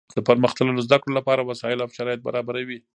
د پرمختللو زده کړو له پاره وسائل او شرایط برابروي.